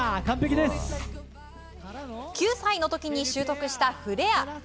９歳の時に習得したフレア。